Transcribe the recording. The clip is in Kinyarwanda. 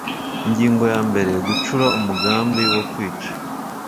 ingingo ya mbere gucura umugambi wo kwica